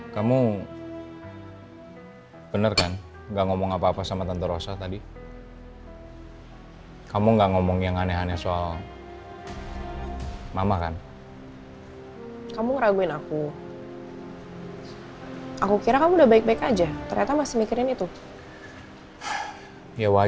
sampai jumpa di video selanjutnya